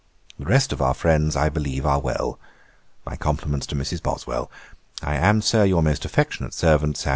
The rest of our friends, I believe, are well. My compliments to Mrs. Boswell. 'I am, Sir, Your most affectionate servant, 'SAM.